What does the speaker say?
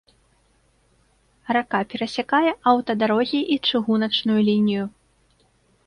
Рака перасякае аўтадарогі і чыгуначную лінію.